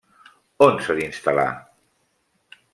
On s'ha d'instal·lar?